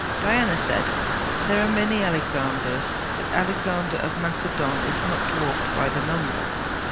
Diana said: 'There are many Alexanders, but Alexander of Macedon is not dwarfed by the number.'